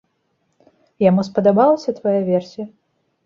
Яму спадабалася твая версія?